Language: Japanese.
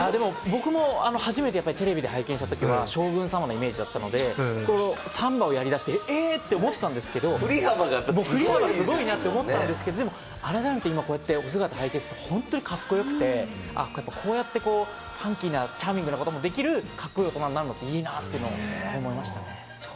僕も初めてテレビで拝見したときは将軍様のイメージだったので、サンバをやりだして、え！って思ったんですけれども、ふり幅すごいなって思ったんですけど、改めてこうやってお姿拝見すると、本当にカッコよくてこうやってファンキーなチャーミングなこともできるカッコいい大人になれるっていいなって思いました。